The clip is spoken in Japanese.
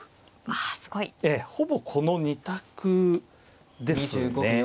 ほぼこの２択ですね。